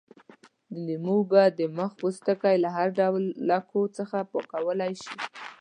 د لیمو اوبه د مخ پوستکی له هر ډول لکو څخه پاکولای شي.